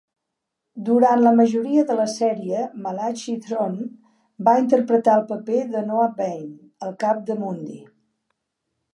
Durant la majoria de la sèrie, Malachi Throne va interpretar el paper de Noah Bain, el cap de Mundy.